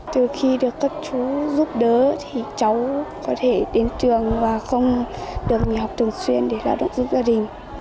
từ khi được các chú giúp đỡ thì cháu có thể đến trường và không được nghỉ học thường xuyên để lao động giúp gia đình